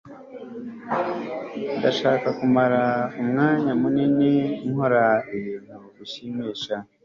ndashaka kumara umwanya munini nkora ibintu binshimisha